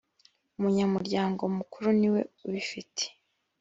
umunyamuryango mukru niwe ubifite.